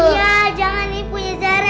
iya jangan nih punya zara